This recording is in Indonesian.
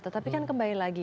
tetapi kan kembali lagi